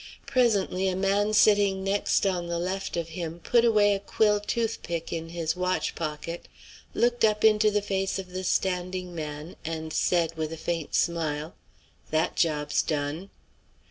Presently a man sitting next on the left of him put away a quill toothpick in his watch pocket, looked up into the face of the standing man, and said, with a faint smile: "That job's done!"